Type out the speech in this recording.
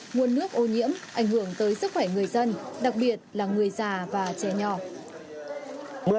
nguồn nước ô nhiễm ảnh hưởng tới sức khỏe người dân đặc biệt là người già và trẻ nhỏ